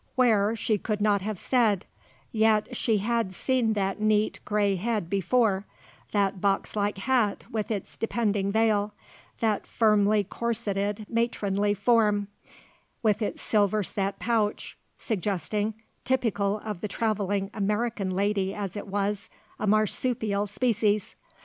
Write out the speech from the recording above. Where, she could not have said, yet she had seen that neat, grey head before, that box like hat with its depending veil, that firmly corseted, matronly form, with its silver set pouch, suggesting, typical of the travelling American lady as it was, a marsupial species.